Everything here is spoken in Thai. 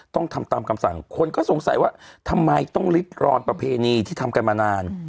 ต้องทำตามคำสั่งคนก็สงสัยว่าทำไมต้องริดรอนประเพณีที่ทำกันมานาน